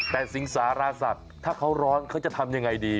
แต่สิงสารสัตว์ถ้าเขาร้อนเขาจะทำยังไงดี